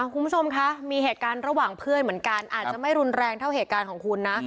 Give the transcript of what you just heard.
คุณผู้ชมคะมีเหตุการณ์ระหว่างเพื่อนเหมือนกันอาจจะไม่รุนแรงเท่าเหตุการณ์ของคุณนะ